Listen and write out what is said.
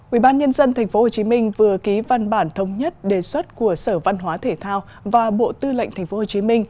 ubnd tp hcm vừa ký văn bản thống nhất đề xuất của sở văn hóa thể thao và bộ tư lệnh tp hcm